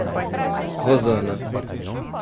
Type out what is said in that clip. Rosana